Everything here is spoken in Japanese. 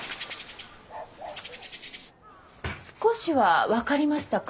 少しは分かりましたか？